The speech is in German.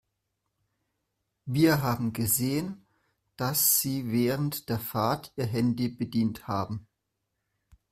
Wir haben gesehen, dass Sie während der Fahrt Ihr Handy bedient haben.